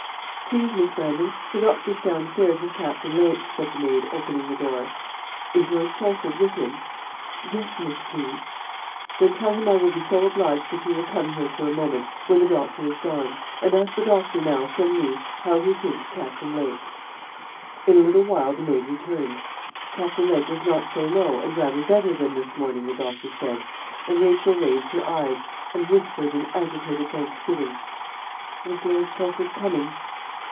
'Please, Miss Brandon, the doctor's down stairs with Captain Lake,' said the maid, opening the door. 'Is Lord Chelford with him?' 'Yes, Miss, please.' 'Then tell him I will be so obliged if he will come here for a moment, when the doctor is gone; and ask the doctor now, from me, how he thinks Captain Lake.' In a little while the maid returned. Captain Lake was not so low, and rather better than this morning, the doctor said; and Rachel raised her eyes, and whispered an agitated thanksgiving. 'Was Lord Chelford coming?'